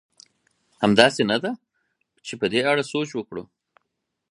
همداسې نه ده؟ چې په دې اړه سوچ وکړو.